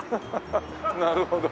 なるほど。